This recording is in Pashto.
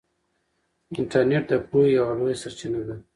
انټرنیټ د پوهې یوه لویه سرچینه ده.